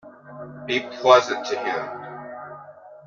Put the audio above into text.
Be pleasant to him.